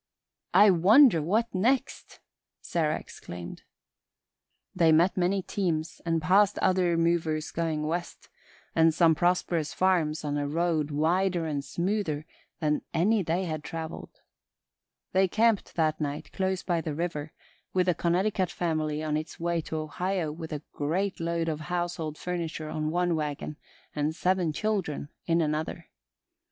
"I wonder what next!" Sarah exclaimed. They met many teams and passed other movers going west, and some prosperous farms on a road wider and smoother than any they had traveled. They camped that night, close by the river, with a Connecticut family on its way to Ohio with a great load of household furniture on one wagon and seven children in another.